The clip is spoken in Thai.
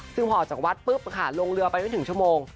ซึ่งพอจากวัดปุ๊บค่ะลงเรือไปไม่ถึงชั่วโมง